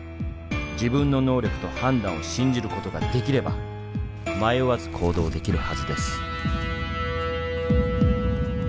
自分の能力と判断を信じることができれば迷わず行動できるはずです」。